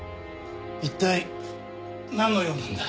一体なんの用なんだ？